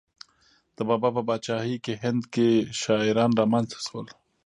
د بابا په پاچاهۍ کې هند کې شاعران را منځته شول.